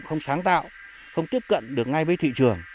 không sáng tạo không tiếp cận được ngay với thị trường